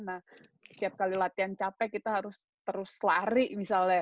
nah setiap kali latihan capek kita harus terus lari misalnya